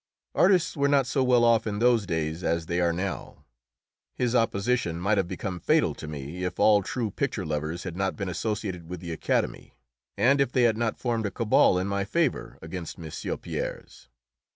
Artists were not so well off in those days as they are now. His opposition might have become fatal to me if all true picture lovers had not been associated with the Academy, and if they had not formed a cabal, in my favour, against M. Pierre's.